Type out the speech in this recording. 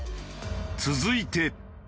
続いて。